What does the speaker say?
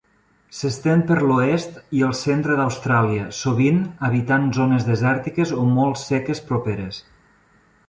S'estén per l'oest i el centre d'Austràlia, sovint habitant zones desèrtiques o molt seques properes.